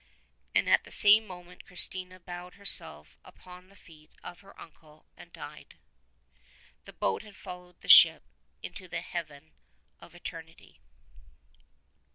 And at the same moment Kristina bowed herself upon the feet of her uncle and died. The boat had followed the ship into the Haven of Eternity.